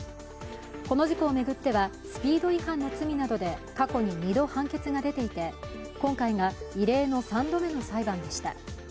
この事故を巡っては、スピード違反の罪などで過去に二度判決が出ていて、今回が異例の３度目の裁判でした。